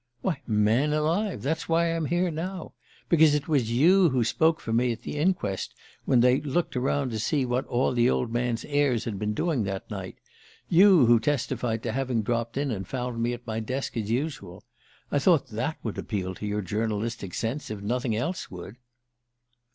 "Why, man alive! That's why I'm here now. Because it was you who spoke for me at the inquest, when they looked round to see what all the old man's heirs had been doing that night you who testified to having dropped in and found me at my desk as usual. ... I thought that would appeal to your journalistic sense if nothing else would!"